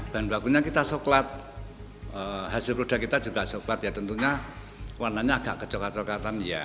dan bakunya kita coklat hasil produk kita juga coklat ya tentunya warnanya agak kecoklatan ya